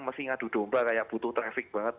mesti ngadu domba kayak butuh traffic banget